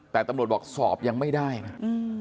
แต่ตำรวจบอกสอบยังไม่ได้นะอืม